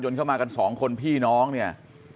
เข้ามากันสองคนพี่น้องเนี่ย